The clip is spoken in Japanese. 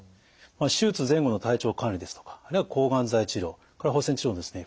手術前後の体調管理ですとかあるいは抗がん剤治療放射線治療のですね